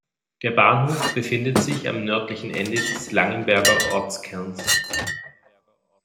Der Bahnhof befindet sich am nördlichen Ende des Langenberger Ortskerns.